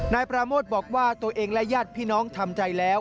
นายปราโมทบอกว่าตัวเองและญาติพี่น้องทำใจแล้ว